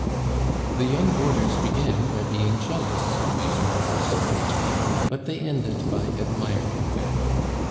The young boarders began by being jealous of these marvels of beauty, but they ended by admiring them.